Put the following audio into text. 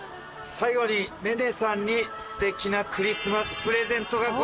最後に寧々さんにすてきなクリスマスプレゼントがございます。